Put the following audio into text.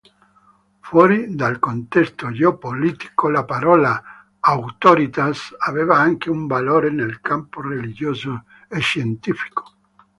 Fuori dal contesto geo-politico, la parola "auctoritas" aveva anche un valore nel campo religioso-scientifico.